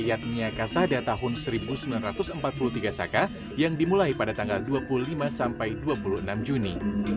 yakni kasada tahun seribu sembilan ratus empat puluh tiga saka yang dimulai pada tanggal dua puluh lima sampai dua puluh enam juni